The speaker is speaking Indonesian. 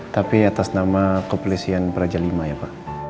tapi atas nama kepolisian perja lima ya pak